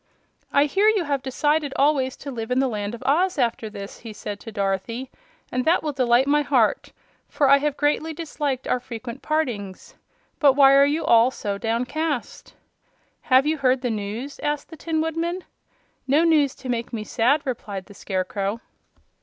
"I hear you have decided always to live in the Land of Oz, after this," he said to Dorothy; "and that will delight my heart, for I have greatly disliked our frequent partings. But why are you all so downcast?" "Have you heard the news?" asked the Tin Woodman. "No news to make me sad," replied the Scarecrow.